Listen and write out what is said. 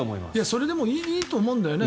それでもいいと思うんだよね。